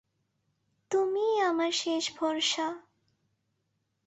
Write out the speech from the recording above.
তুমিই আমার শেষ ভরসা।